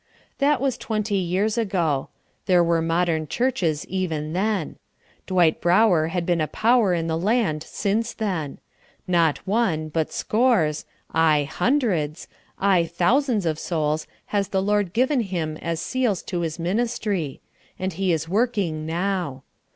That was twenty years ago. There were modern churches even then. Dwight Brower has been a power in the land since then. Not one, but scores aye, hundreds aye, thousands of souls has the Lord given him as seals to his ministry; and he is working now.